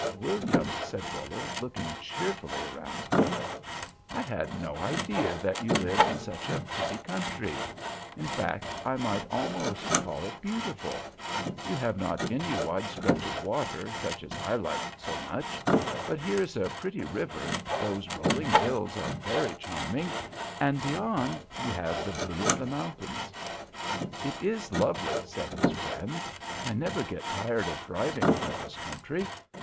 "William," said Buller, looking cheerfully around him, "I had no idea that you lived in such a pretty country. In fact, I might almost call it beautiful. You have not any wide stretch of water, such as I like so much, but here is a pretty river, those rolling hills are very charming, and, beyond, you have the blue of the mountains." "It is lovely," said his friend; "I never get tired of driving through this country.